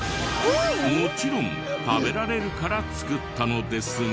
もちろん食べられるから作ったのですが。